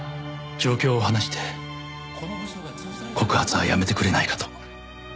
状況を話して告発はやめてくれないかと。